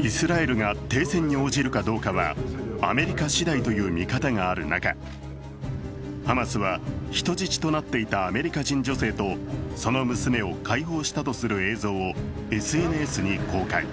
イスラエルが停戦に応じるかどうかはアメリカ次第という見方がある中、ハマスは、人質となっていたアメリカ人女性とその娘を解放したとする映像をＳＮＳに公開。